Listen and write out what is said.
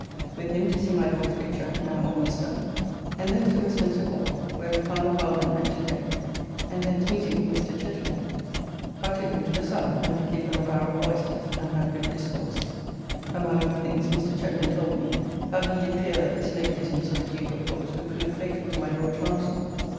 With him to see my Lord's picture (now almost done), and thence to Westminster Hall, where we found the Parliament met to day, and thence meeting with Mr. Chetwind, I took them to the Sun, and did give them a barrel of oysters, and had good discourse; among other things Mr. Chetwind told me how he did fear that this late business of the Duke of York's would prove fatal to my Lord Chancellor.